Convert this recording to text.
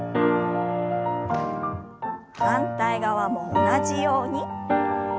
反対側も同じように。